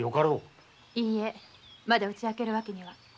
いいえまだ打ち明けるわけには。